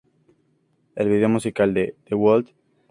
El video musical de "Would?